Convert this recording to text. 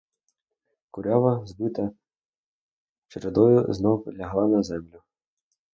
Курява, збита чередою, знов лягла на землю.